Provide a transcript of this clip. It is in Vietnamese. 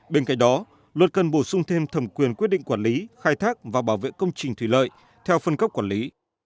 bên cạnh đó luật cần bổ sung thêm thẩm quyền quyết định quản lý khai thác và bảo vệ công trình thủy lợi theo phân cấp quản lý